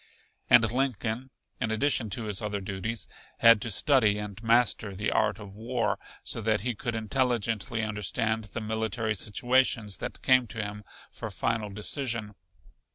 And Lincoln, in addition to his other duties, had to study and master the art of war, so that he could intelligently understand the military situations that came to him for final decision.